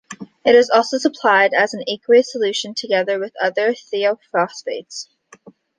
It is also supplied as an aqueous solution together with other thiophosphates.